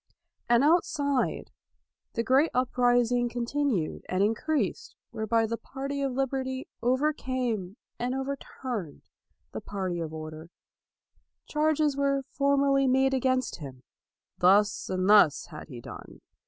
And out side, the great uprising continued and increased whereby the party of liberty overcame and overturned the party of or LAUD 231 der. Charges were formally made against him: thus and thus had he done.